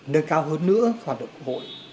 nơi cao hơn nữa hoạt động quốc hội